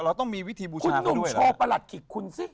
เราต้องมีวิธีบูชาเขาด้วยหรือคุณหนุ่มชอประหลัดขิกคุณสิ